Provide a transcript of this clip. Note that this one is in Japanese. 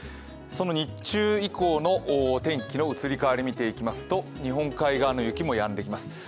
その日中以降の天気の移り変わりを見ていきますと日本海側の雪もやんできます。